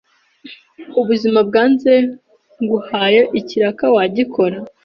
ubuzima bwanze nguhaye ikiraka wagikora ?